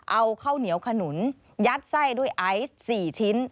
เอาข้าวเหนียวขนุนยัดไส้ด้วยไอซ์๔ชิ้น